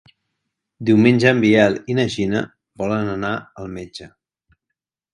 Diumenge en Biel i na Gina volen anar al metge.